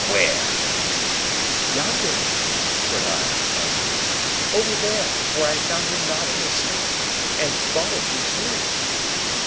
"Where?" "Yonder," said I, pointing; "over there, where I found him nodding asleep, and thought it was you."